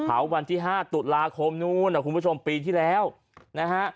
เขาวันที่๕ตุลาคมนู้นนะคุณผู้ชมปีที่แล้วนะฮะ